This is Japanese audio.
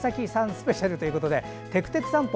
スペシャルということで「てくてく散歩」